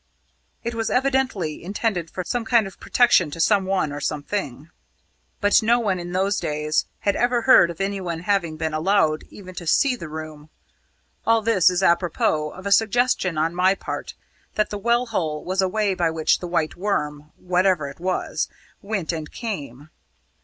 It was evidently intended for some kind of protection to someone or something; but no one in those days had ever heard of anyone having been allowed even to see the room. All this is a propos of a suggestion on my part that the well hole was a way by which the White Worm (whatever it was) went and came.